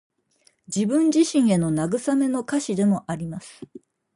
自分自身への慰めの歌詞でもあります。